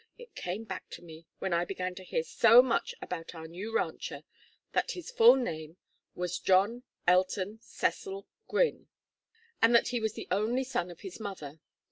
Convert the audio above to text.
it came back to me, when I began to hear so much about our new rancher, that his full name was John Elton Cecil Gwynne, and that he was the only son of his mother.